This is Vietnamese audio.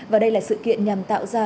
và đây là sự kiện nhằm tạo ra